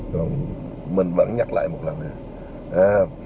còn mình vẫn nhắc lại một lần nữa